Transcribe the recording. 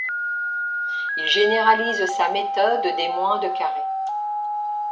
Il généralise sa méthode des moindes carrés.